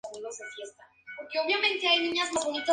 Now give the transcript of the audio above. San Fernando posee algunas colinas, sierras y llanuras.